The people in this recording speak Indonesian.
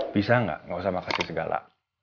bisa nggak nggak usah makasih segala